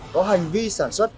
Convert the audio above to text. có hành vi sản xuất